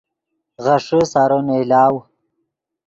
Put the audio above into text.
غیݰے سارو نئیلاؤ